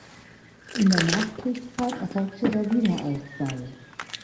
In der Nachkriegszeit erfolgte der Wiederaufbau.